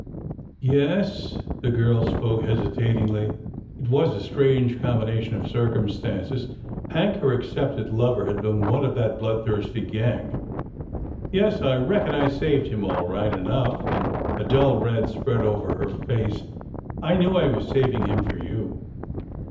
" Yes." The girl spoke hesitatingly. It was a strange combination of circumstances. Hank, her ac cepted lover, had been one of that bloodthirsty gang. " Yes, I reckon I saved him all right enough— and— " a dull red spread over her face —" I knew I was savin' him fur you."